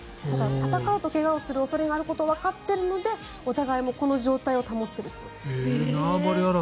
戦うと怪我をする恐れがあることをわかっているのでお互い、この状態を保っているそうです。